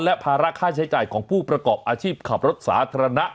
และภาระค่าใช้จ่ายของผู้ประกอบอาชีพขับรถสาธารณะ